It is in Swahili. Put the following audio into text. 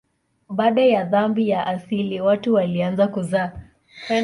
Baada ya dhambi ya asili watu walianza kuzaa.